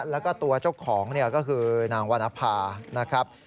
แล้วก็ตัวเจ้าของเนี่ยก็คือนางวรรณภานะครับ